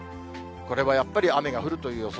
これはやっぱり雨が降るという予想。